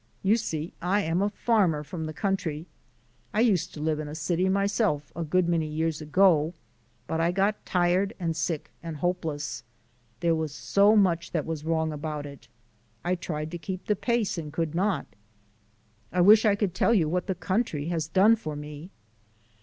You see I am a farmer from the country. I used to live in a city myself, a good many years ago, but I got tired and sick and hopeless. There was so much that was wrong about it. I tried to keep the pace and could not. I wish I could tell you what the country has done for me."